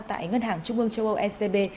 tại ngân hàng trung ương châu âu scb